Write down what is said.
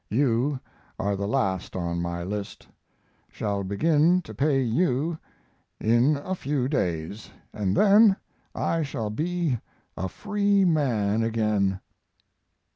You are the last on my list. Shall begin to pay you in a few days, and then I shall be a free man again.